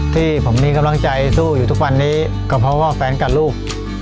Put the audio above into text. ที่ผมมีกำลังใจสู้อยู่ทุกวันนี้ก็เพราะว่าแฟนกับลูก